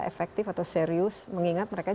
efektif atau serius mengingat mereka